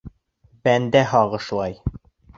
Бәндә һағышлай